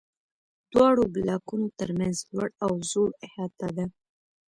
دواړو بلاکونو تر منځ لوړ او ځوړ احاطه ده.